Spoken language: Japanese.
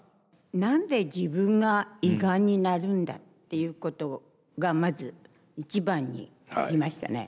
「何で自分が胃がんになるんだ」っていうことがまず一番にありましたね。